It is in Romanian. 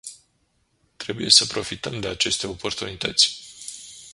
Trebuie să profităm de aceste oportunități!